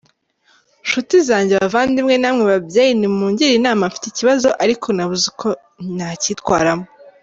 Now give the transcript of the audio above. Nshuti zanjye bavandimwe na mwe babyeyi nimungire inama mfite ikibazo ariko nabuze uko nakiritwaramo.